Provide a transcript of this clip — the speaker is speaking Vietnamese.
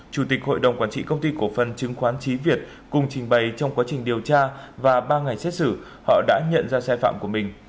chủ tịch hội đồng quản trị công ty cổ phần chứng khoán trí việt cùng trình bày trong quá trình điều tra và ba ngày xét xử họ đã nhận ra sai phạm của mình